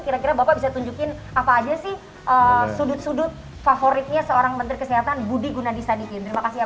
kira kira bapak bisa tunjukin apa aja sih sudut sudut favoritnya seorang menteri kesehatan budi gunadisadikin